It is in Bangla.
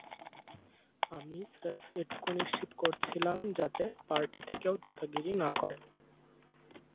আমি স্রেফ এটুকু নিশ্চিত করছিলাম, যাতে পার্টিতে কেউ দাদাগিরি না করে।